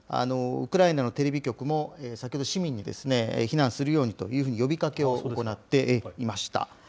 ウクライナのテレビ局も、先ほど市民に、避難するようにというふうに呼びかけを行っていました。